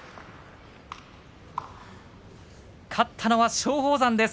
勝ったのは松鳳山です。